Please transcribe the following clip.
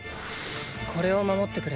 これを守ってくれ。